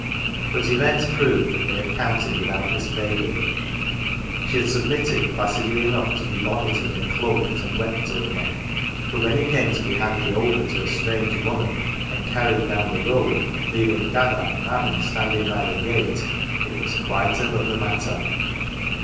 But events proved that they had counted without this baby : she had submitted placidly enough to be bonneted and cloaked and wept over ; but when it came to be handed over to a strange woman and carried down the road, leaving Dada and Mammie standing by the gate, it was quite another 35 GAFFER'S CHILD matter.